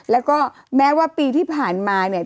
แล้วก็แม้ว่าปีที่ผ่านมาเนี่ย